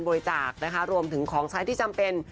โบยจากรวมถึงของใช้ที่จำเป็น